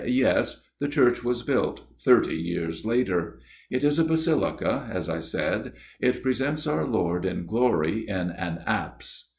" Yes : the church was built thirty years later. It is a basilica, as I said ; it presents our Lord in glory in an apse.